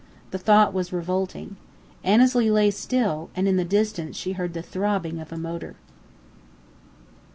The thought was revolting. Annesley lay still; and in the distance she heard the throbbing of a motor.